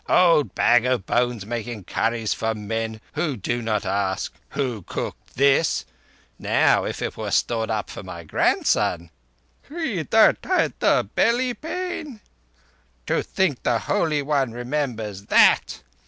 Old bag of bones making curries for men who do not ask 'Who cooked this?' Now if it were stored up for my grandson—" "He that had the belly pain?" "To think the Holy One remembers _that!